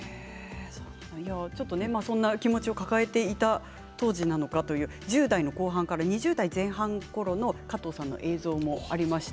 そんな気持ちを抱えていた当時なのかという１０代の後半から２０代前半のころの加藤さんの映像もあります。